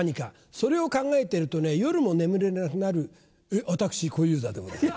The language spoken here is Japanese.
それを考えてるとね夜も眠れなくなる私小遊三でございます。